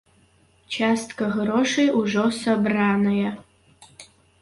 Частка грошай ужо сабраная.